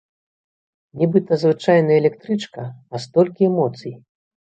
Нібыта звычайная электрычка, а столькі эмоцый!